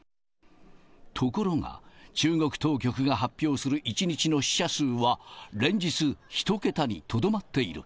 ところが、中国当局が発表する１日の死者数は、連日１桁にとどまっている。